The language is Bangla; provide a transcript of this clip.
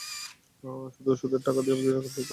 শুধু সুদের টাকা শোধ দিতেই তোকে কিডনি বেঁচতে হবে।